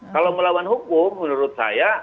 kalau melawan hukum menurut saya